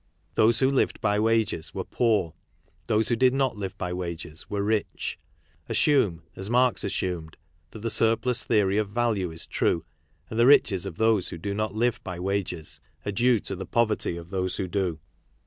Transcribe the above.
Those who lived by wages were poor, those who did not live by wages were rich. Assume, as Marx assumed, that the surplus theory of value is true, and the riches of those who do not live by wages are due to the poverty of those who do.